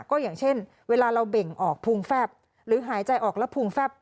ก็อย่างเช่นเวลาเราเบ่งออกพุงแฟบหรือหายใจออกแล้วพุงแฟบ